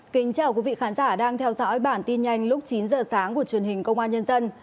kính chào quý vị khán giả đang theo dõi bản tin nhanh lúc chín giờ sáng của truyền hình công an nhân dân